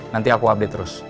nanti aku update terus